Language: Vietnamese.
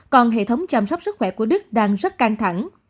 còn hệ thống chăm sóc sức khỏe của đức đang rất căng thẳng